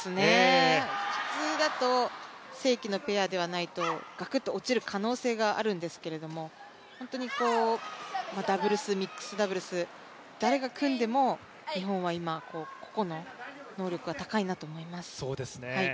普通だと正規のペアではないと、ガクッと落ちる可能性があるんですけれども本当に、ダブルスミックスダブルス、誰が組んでも日本は今、個々の能力が高いなと思います。